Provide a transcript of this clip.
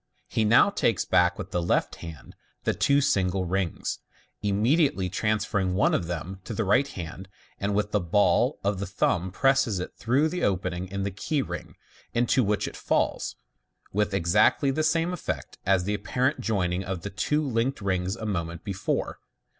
He now takes back with the left hand the two single rings, immediately transferring one of them to the right hand, and with the ball of the thumb presses it through the opening in the key ring, into which it falls, with exactly the same effect as the apparent joining of the two linked rings a moment before.